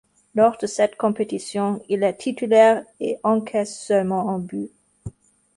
Lors de cette compétition, il est titulaire, et encaisse seulement un but.